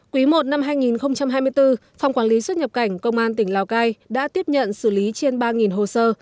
quý i năm hai nghìn hai mươi bốn phòng quản lý xuất nhập cảnh công an tỉnh lào cai đã tiếp nhận xử lý trên ba hồ sơ